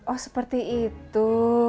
oh seperti itu